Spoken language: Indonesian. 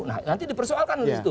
nah nanti dipersoalkan dari situ